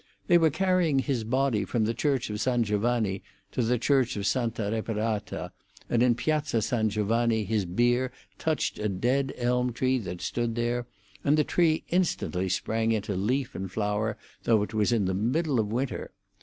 They were carrying his body from the Church of San Giovanni to the Church of Santa Reparata, and in Piazza San Giovanni his bier touched a dead elm tree that stood there, and the tree instantly sprang into leaf and flower, though it was in the middle of the winter.